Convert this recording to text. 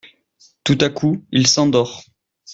Tout à coup, il s'endort.